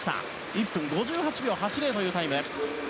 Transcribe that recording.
１分５８秒８０というタイム。